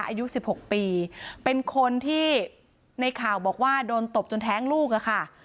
อายุ๑๖ปีเป็นคนที่ในข่าวบอกว่าโดนตบจนแท้งลูกอะค่ะ